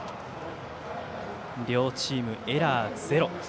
両チーム、エラーゼロ。